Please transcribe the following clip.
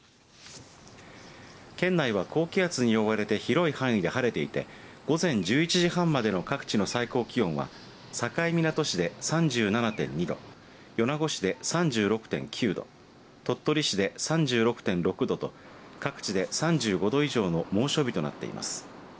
県内は、高気圧に覆われて広い範囲で晴れていて午前１１時半までの各地の最高気温は境港市で３７．２度米子市で３６．９度鳥取市で３６．６度と各地で３５度以上の猛暑日となっています。